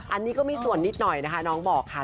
อันนี้ก็มีส่วนนิดหน่อยนะคะน้องบอกค่ะ